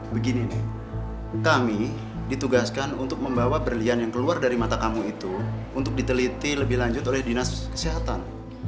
begini nih kami ditugaskan untuk membawa berlian yang keluar dari mata kamu itu untuk diteliti lebih lanjut oleh dinas kesehatan